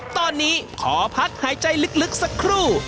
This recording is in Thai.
ตอนนี้ขอพักหายใจลึกสักครู่